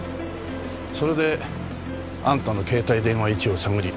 それであんたの携帯電話位置を探り